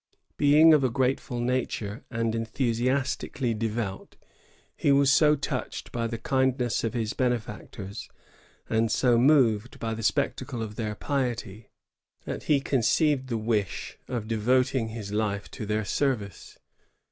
Being of a grateful nature and enthusiastically devout, he was so touched by the kindness of his benefactors, and so moved by the spectacle of their piety, that he conceived the wish of devoting his life to their service.